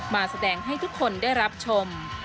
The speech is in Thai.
มาแสดงให้ทุกคนได้รับชม